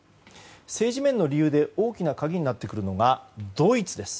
政治面の理由で大きな鍵になってくるのがドイツです。